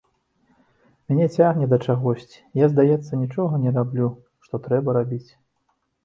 Мяне цягне да чагосьці, я, здаецца, нічога не раблю, што трэба рабіць.